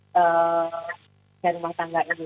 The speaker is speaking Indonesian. pekerjaan rumah tangga ini